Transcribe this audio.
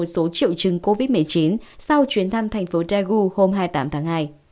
số triệu chứng covid một mươi chín sau chuyến thăm thành phố daegu hôm hai mươi tám tháng hai